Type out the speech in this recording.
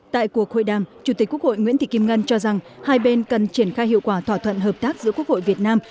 tại cuộc hội đàm chủ tịch quốc hội nguyễn thị kim ngân cho rằng hai bên cần triển khai hiệu quả thỏa thuận hợp tác giữa quốc hội việt nam